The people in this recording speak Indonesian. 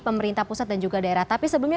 pemerintah pusat dan juga daerah tapi sebelumnya